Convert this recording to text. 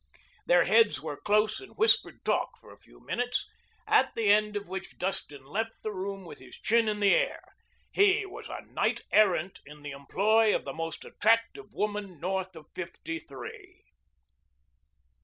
Their heads were close in whispered talk for a few minutes, at the end of which Dustin left the room with his chin in the air. He was a knight errant in the employ of the most attractive woman north of fifty three.